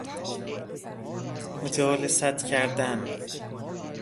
مجالست کردن